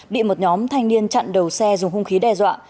bị một nhóm thanh niên chặn đầu xe dùng hung khí đe dọa